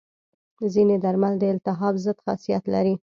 ځینې درمل د التهاب ضد خاصیت لري.